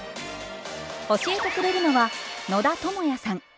教えてくれるのは野田智也さん。